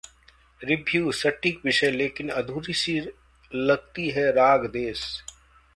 Review: सटीक विषय, लेकिन अधूरी सी लगती है 'राग देश'